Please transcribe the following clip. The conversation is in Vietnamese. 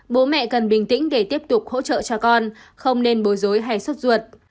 bố mẹ cần bình tĩnh để tiếp tục hỗ trợ cho con không nên bồi dối hay sốt ruột